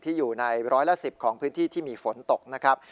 อยู่ในร้อยละ๑๐ของพื้นที่ที่มีฝนตกนะครับ